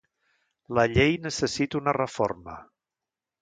La llei necessita una reforma.